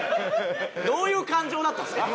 どういう感情だったんですか？